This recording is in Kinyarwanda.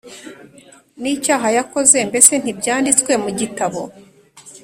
n’icyaha yakoze mbese ntibyanditswe mu gitabo